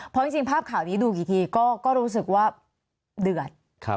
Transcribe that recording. เพราะจริงภาพข่าวนี้ดูกี่ทีก็รู้สึกว่าเดือด